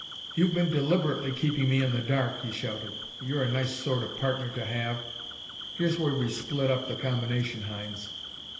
"You've been deliberately keeping me in the dark!" he shouted. "You're a nice sort of partner to have! Here's where we split up the combination, Hynes!"